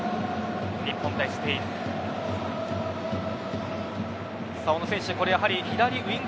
日本対スペイン。